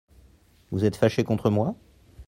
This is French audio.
Vous êtes faché contre moi ?